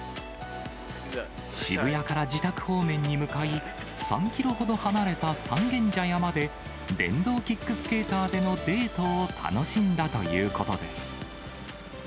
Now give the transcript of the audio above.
渋谷から自宅方面に向かい、３キロほど離れた三軒茶屋まで電動キックスケーターでのデートを楽しんだということです。